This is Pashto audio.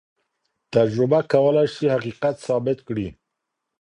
تجربه کولای سي حقيقت ثابت کړي.